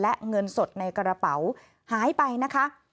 และเงินสดในกระเป๋าหายไปนะคะ